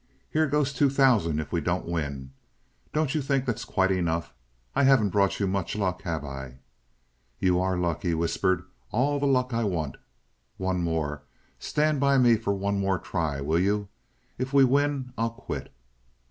Here goes two thousand if we don't win. Don't you think that's quite enough? I haven't brought you much luck, have I?" "You are luck," he whispered. "All the luck I want. One more. Stand by me for one more try, will you? If we win I'll quit."